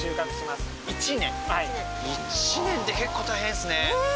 はい１年って結構大変っすねねえ